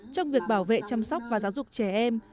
trong việc bảo vệ chăm sóc và giáo dục trẻ em